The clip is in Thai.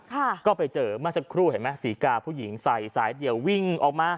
ค่ะก็ไปเจอเมื่อสักครู่เห็นไหมศรีกาผู้หญิงใส่สายเดี่ยววิ่งออกมา